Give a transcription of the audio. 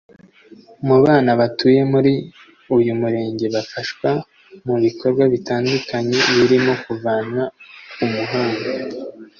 Mu bana batuye muri uyu murenge bafashwa mu bikorwa bitandukanye birimo kuvanwa ku muhanda